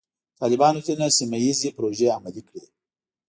طالبانو ځینې سیمه ییزې پروژې عملي کړې.